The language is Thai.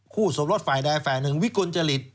สมรสฝ่ายใดฝ่ายหนึ่งวิกลจริต